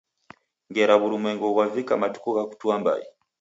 Ngera w'urumwengu ghwavika matuku gha kutua mbai